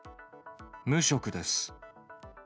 無職です。